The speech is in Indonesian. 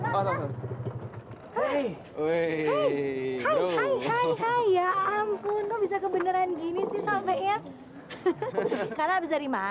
hai hai hai ya ampun bisa kebeneran gini sih sampai ya